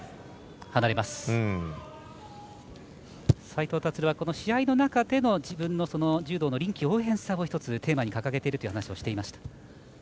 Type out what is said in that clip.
斉藤立は試合の中での自分の柔道の臨機応変さを１つ、テーマに掲げていると話をしていました。